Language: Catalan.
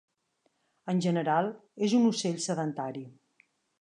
En general és un ocell sedentari.